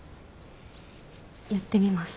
やってみます。